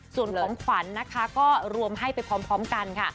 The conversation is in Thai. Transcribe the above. ส่วนของขวัญนะคะก็รวมให้ไปพร้อมกันค่ะ